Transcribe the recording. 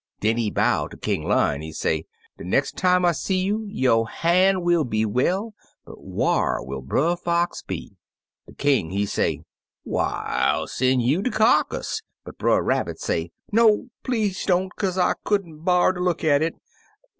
Den he bow ter King Lion; he say, *De nex' time I see 5rou 5^0' han' will be well, but whar will Brer Fox be?' De King he say, 'Why, I'll sen' you de kyarcass,' but Brer Rabbit say, *No, please don't, kaze I could n't b'ar ter look at it.